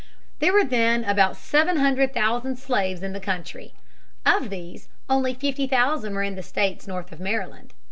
There were then about seven hundred thousand slaves in the country. Of these only fifty thousand were in the states north of Maryland.